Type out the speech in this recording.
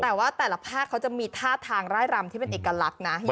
แต่ว่าแต่ละภาคเขาจะมีท่าทางไร่รำที่เป็นเอกลักษณ์นะ